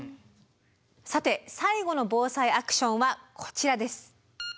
さて最後の「ＢＯＳＡＩアクション」はこちらです。